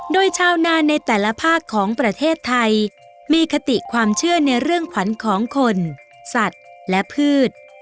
โดยชาวนาในแต่ละภาคของประเทศไทยมีคติความเชื่อในเรื่องขวัญของคนสัตว์และพืช